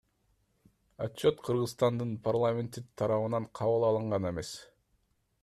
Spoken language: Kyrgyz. Отчет Кыргызстандын парламенти тарабынан кабыл алынган эмес.